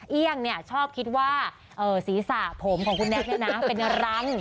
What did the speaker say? เอี่ยงชอบคิดว่าสีสาผมของคุณแน็กซ์นี่นะเป็นรัง